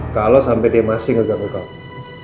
kalo sampe dia masih ngeganggu kamu